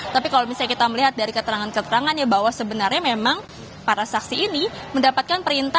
tapi kalau misalnya kita melihat dari keterangan keterangannya bahwa sebenarnya memang para saksi ini mendapatkan perintah